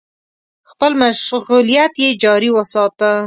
خپل مشغولیت يې جاري وساته.